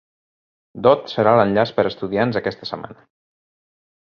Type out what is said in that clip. Dot serà l'enllaç per a estudiants aquesta setmana.